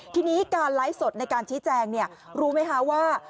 ทีนี้การไลฟ์สดในการชี้แจงรู้ไหมคะว่า